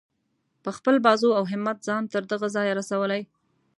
په خپل بازو او همت ځان تر دغه ځایه رسولی.